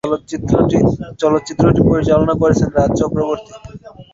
চলচ্চিত্রটি পরিচালনা করেছেন রাজ চক্রবর্তী।